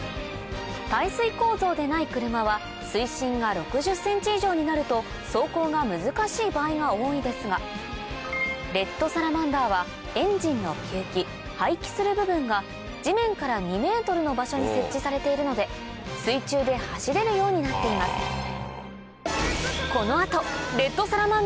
耐水構造でない車は水深が６０ｃｍ以上になると走行が難しい場合が多いですがレッドサラマンダーはエンジンの吸気排気する部分が地面から２ｍの場所に設置されているので水中で走れるようになっていますえ？